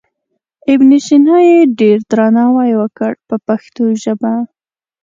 ابن سینا یې ډېر درناوی وکړ په پښتو ژبه.